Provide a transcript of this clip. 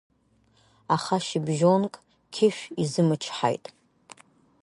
Аха шьыбжьонк Кьышә изымычҳаит.